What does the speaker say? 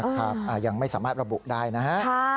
คุณพิธาติบอกได้นะฮะ